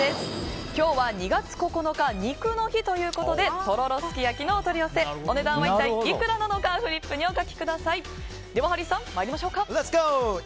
今日は２月９日、肉の日ということでとろろすき焼きのお取り寄せお値段は一体いくらなのかフリップにお書きください。